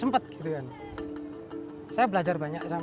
semangat itu muncul dari pancasila